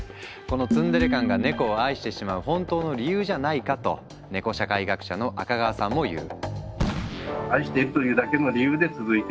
このツンデレ感がネコを愛してしまう本当の理由じゃないかとネコ社会学者の赤川さんも言う。